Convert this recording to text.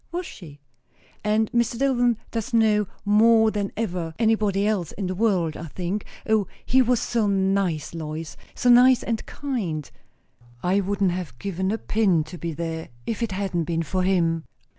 "Was she?" "And Mr. Dillwyn does know more than ever anybody else in the world, I think. O, he was so nice, Lois! so nice and kind. I wouldn't have given a pin to be there, if it hadn't been for him.